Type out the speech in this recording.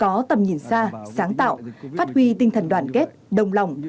có tầm nhìn xa sáng tạo phát huy tinh thần đoàn kết đồng lòng